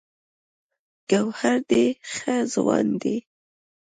ګوهر ډې ښۀ ځوان دی